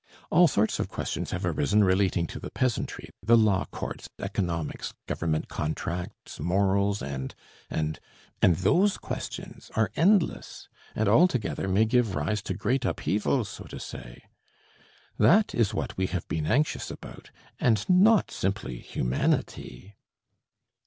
All sorts of questions have arisen relating to the peasantry, the law courts, economics, government contracts, morals and ... and ... and those questions are endless, and all together may give rise to great upheavals, so to say. That is what we have been anxious about, and not simply humanity...."